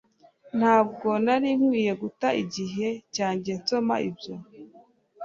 Ntabwo nari nkwiye guta igihe cyanjye nsoma ibyo